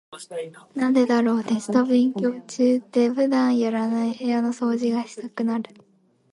なんでだろう、テスト勉強中って普段やらない部屋の掃除がしたくなる。